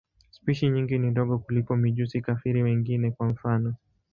Spishi nyingi ni ndogo kuliko mijusi-kafiri wengine, kwa mfano.